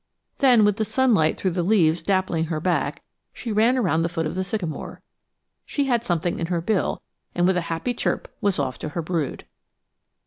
Then with the sunlight through the leaves dappling her back, she ran around the foot of the sycamore. She had something in her bill, and with a happy chirp was off to her brood.